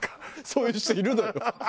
そういう人いるのよ。